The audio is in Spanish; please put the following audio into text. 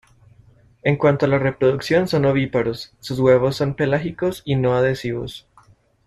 En cuanto a la reproducción son ovíparos, sus huevos son pelágicos y no adhesivos.